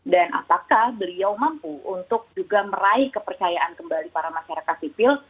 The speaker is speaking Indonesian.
dan apakah beliau mampu untuk juga meraih kepercayaan kembali para masyarakat sipil